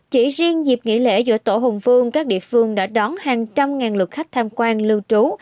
chỉ riêng dịp nghỉ lễ dỗ tổ hùng vương các địa phương đã đón hàng trăm ngàn lượt khách tham quan lưu trú